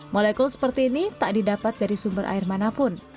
molekul seperti ini tak didapat dari sumber air manapun